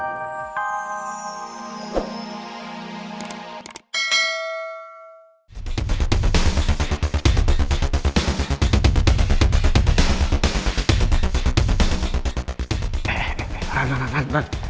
eh eh eh rat rat rat